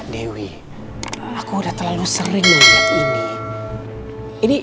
dewi aku udah terlalu sering melihat ini